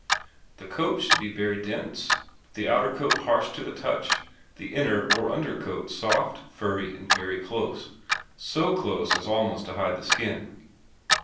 THE COAT should be very dense, the outer coat harsh to the touch, the inner or under coat soft, furry, and very close, so close as almost to hide the skin.